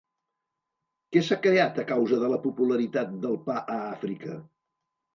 Què s'ha creat a causa de la popularitat del pa a Àfrica?